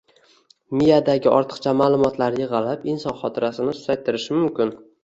Miyadagi ortiqcha ma'lumotlar yig‘ilib inson xotirasini susaytirishi mumkin.